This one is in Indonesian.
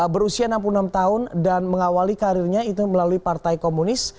berusia enam puluh enam tahun dan mengawali karirnya itu melalui partai komunis